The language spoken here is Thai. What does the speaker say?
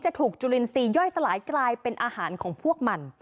ถูกจุลินทรีย์ย่อยสลายกลายเป็นอาหารของพวกมัน